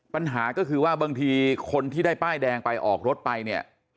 ปัญหาก็คือว่าบางทีคนที่ได้ป้ายแดงไปออกรถไปเนี่ย